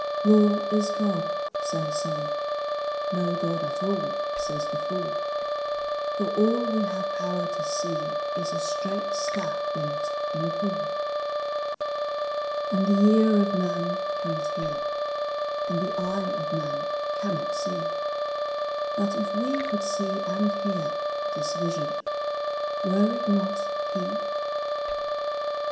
Law is God, say some: no God at all, says the fool; For all we have power to see is a straight staff bent in a pool; And the ear of man cannot hear, and the eye of man cannot see; But if we could see and hear, this Vision—were it not He?